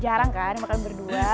jarang kan makan berdua